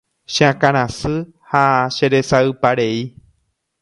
Che akãrasy ha cheresayparei.